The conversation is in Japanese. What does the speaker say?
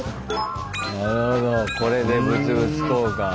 なるほどこれで物々交換。